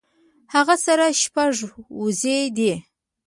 هغۀ سره شپږ وزې دي